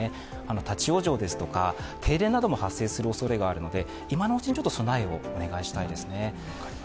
立往生ですとか停電なども発生するおそれがあるので今のうちに備えをお願いしたいですね。